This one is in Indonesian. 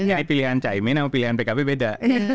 ini pilihan cah imin sama pilihan pkb beda